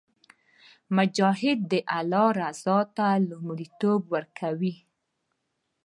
مجاهد د الله رضا ته لومړیتوب ورکوي.